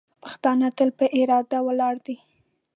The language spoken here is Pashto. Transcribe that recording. پښتانه تل په اراده ولاړ دي.